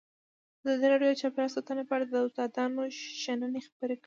ازادي راډیو د چاپیریال ساتنه په اړه د استادانو شننې خپرې کړي.